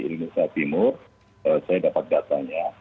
indonesia timur saya dapat datanya